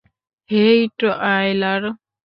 হেই, Tyler!